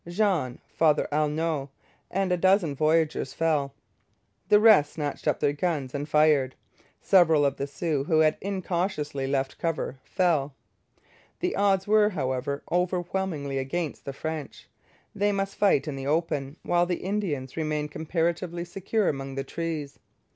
Jean, Father Aulneau, and a dozen voyageurs fell. The rest snatched up their guns and fired. Several of the Sioux, who had incautiously left cover, fell. The odds were, however, overwhelmingly against the French. They must fight in the open, while the Indians remained comparatively secure among the trees.